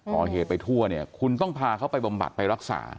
ก่อเหตุไปทั่วเนี่ยคุณต้องพาเขาไปบำบัดไปรักษา